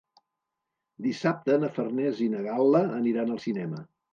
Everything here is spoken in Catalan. Dissabte na Farners i na Gal·la aniran al cinema.